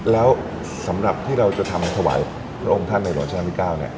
แล้วสำหรับที่เราจะทำถวายโรงท่านในหัวช่างที่๙